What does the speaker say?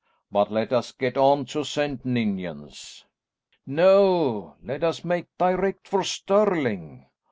But let us get on to St. Ninians." "No, let us make direct for Stirling."